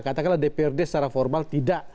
katakanlah dprd secara formal tidak